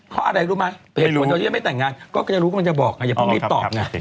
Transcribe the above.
เพราะอะไรรู้มั้ยเป็นคนที่ยังไม่แต่งงานก็จะรู้ก็จะบอกอย่าพร้อมรีบตอบนะ